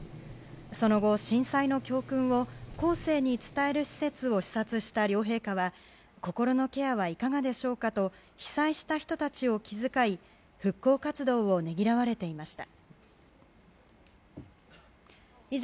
その後、震災の教訓を後世に伝える施設を視察した両陛下は心のケアはいかがでしょうかと被災した人たちを気遣い復興活動をねぎらわれていました。